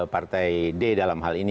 partai d dalam hal ini